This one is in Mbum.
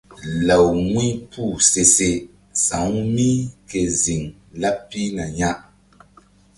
Law wu̧y puh se se sa̧w mí ke ziŋ laɓ pihna ya.